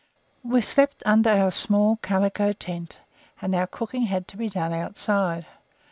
We slept under our small calico tent, and our cooking had to be done outside.